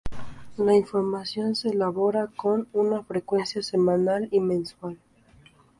La información se elabora con una frecuencia semanal y mensual.